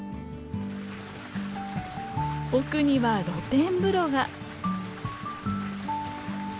奥には露天風呂が。